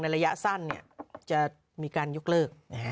ระยะสั้นจะมีการยกเลิก